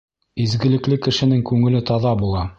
Изгелекле кешенең күңеле таҙа була.